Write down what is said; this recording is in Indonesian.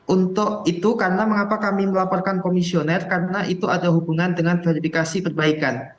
untuk itu karena mengapa kami melaporkan komisioner karena itu ada hubungan dengan verifikasi perbaikan